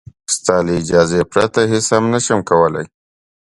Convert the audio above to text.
ستا له اجازې پرته هېڅ هم نه شي کولای.